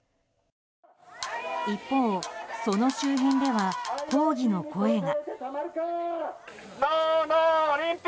一方、その周辺では抗議の声が。